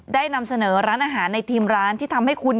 นำเสนอร้านอาหารในทีมร้านที่ทำให้คุณ